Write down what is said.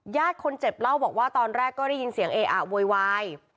ญาติคนเจ็บเล่าบอกว่าตอนแรกก็ได้ยินเสียงเออะโวยวาย